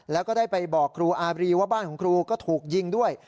แล้วก็ได้ไปบอกครูอาบรีว่าบ้านของครูก็ถูกยิงด้วย